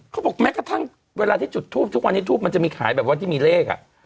เขาบอกแม้กระทั่งเวลาที่จุดทูปทุกวันนี้ทูปมันจะมีขายแบบว่าที่มีเลขอ่ะ